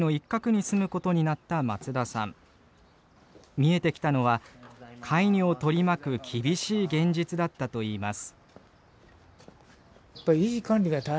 見えてきたのはカイニョを取り巻く厳しい現実だったといいます。